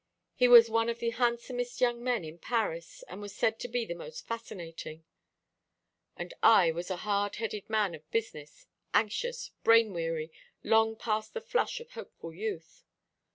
He was one of the handsomest young men in Paris, and was said to be the most fascinating. And I was a hard headed man of business, anxious, brain weary, long past the flush of hopeful youth.